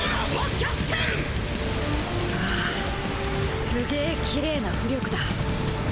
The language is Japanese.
ああすげぇきれいな巫力だ。